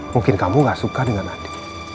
mungkin kamu gak suka dengan adik